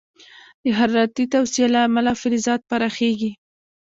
د حرارتي توسعې له امله فلزات پراخېږي.